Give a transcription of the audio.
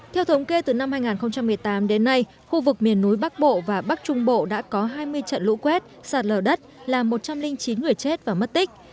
theo thống kê từ năm hai nghìn một mươi tám đến nay khu vực miền núi bắc bộ và bắc trung bộ đã có hai mươi trận lũ quét sạt lở đất làm một trăm linh chín người chết và mất tích